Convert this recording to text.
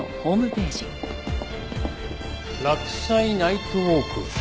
「洛西ナイトウォーク」。